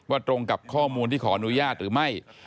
ตรงกับข้อมูลที่ขออนุญาตหรือไม่